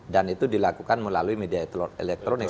dan itu dilakukan melalui media elektronik